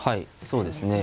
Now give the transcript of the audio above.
そうですね。